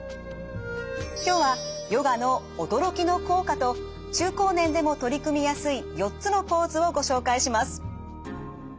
今日はヨガの驚きの効果と中高年でも取り組みやすい４つのポーズをご紹介します。